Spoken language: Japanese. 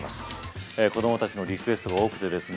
子供たちのリクエストが多くてですね